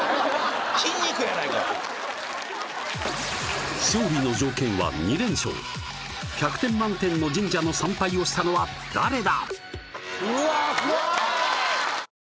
筋肉やないか勝利の条件は２連勝１００点満点の神社の参拝をしたのは誰だ？